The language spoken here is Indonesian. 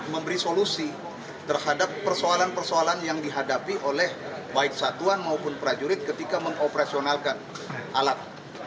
memberi solusi terhadap persoalan persoalan yang dihadapi oleh baik satuan maupun prajurit ketika mengoperasionalkan alat